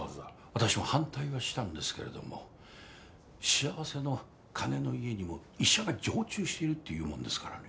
私も反対はしたんですけれどもしあわせの鐘の家にも医者が常駐しているって言うもんですからね。